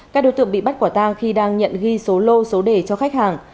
các đối tượng bị bắt quả tang khi đang nhận ghi số lô số đề cho khách hàng